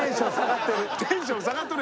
テンション下がってる。